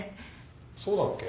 そうだっけ？